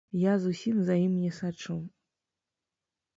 Я зусім за ім не сачу.